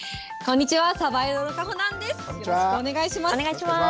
よろしくお願いします。